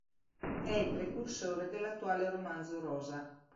È il precursore dell'attuale romanzo rosa.